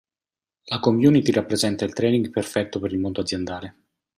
La community rappresenta il training perfetto per il mondo aziendale.